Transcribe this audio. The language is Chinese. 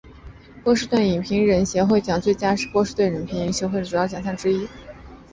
波士顿影评人协会奖最佳是波士顿影评人协会奖的主要奖项之一。